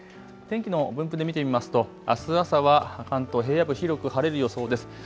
天気の分布で見てみますと、あす朝は関東平野部広く晴れる予想です。